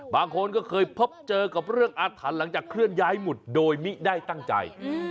บางคนก็เคยพบเจอกับเรื่องอาถรรพ์หลังจากเคลื่อนย้ายหมุดโดยมิได้ตั้งใจ